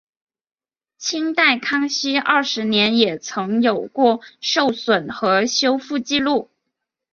清代康熙二十年也曾有过受损和修复纪录。